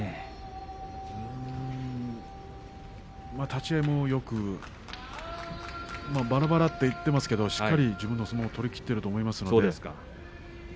立ち合いもばらばらと言っていますけどもしっかりと自分の相撲を取りきっていると思います。